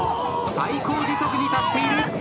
最高時速に達している。